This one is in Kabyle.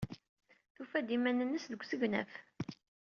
Tufa-d iman-nnes deg usegnaf.